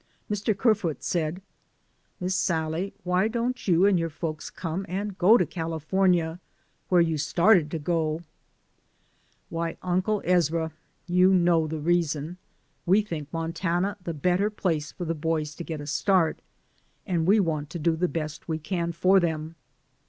Mr. Kerfoot said, "Miss Sallie, why don't you and your folks come and go to California, where you started to go ?" "Why, Uncle Ezra, you know the reason. We think Montana the better place for the boys to get a start, and we want to do the best we can for them."